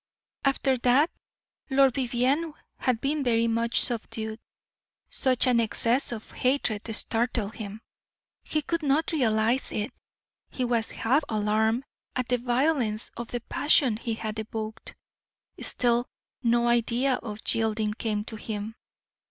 After that Lord Vivianne had been very much subdued. Such an excess of hatred startled him; he could not realize it, he was half alarmed at the violence of the passion he had evoked; still no idea of yielding came to him.